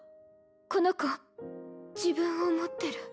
この子自分を持ってる。